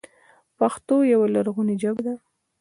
پښتو یوه لرغونې ژبه ده.